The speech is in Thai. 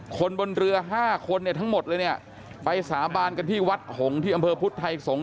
คนบนเรือ๕คนเนี่ยทั้งหมดเลยเนี่ยไปสาบานกันที่วัดหงษ์ที่อำเภอพุทธไทยสงศ